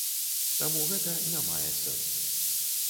Таму гэта не мае сэнсу.